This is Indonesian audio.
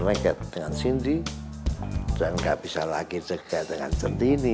megap dengan cindy dan gak bisa lagi dekat dengan centini